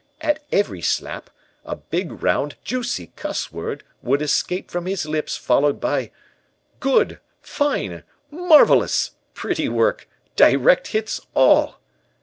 At every slap a big round juicy cuss word would escape from his lips followed by: "'Good, Fine, Marvelous, Pretty Work, Direct Hits, All!